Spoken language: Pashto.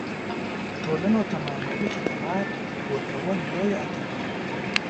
ټولنو ته معنوي خدمات ورکول لویه اتلولي ده.